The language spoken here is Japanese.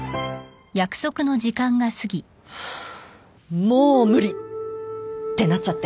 ハァもう無理！ってなっちゃって。